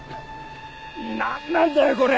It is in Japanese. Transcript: なんなんだよこれ！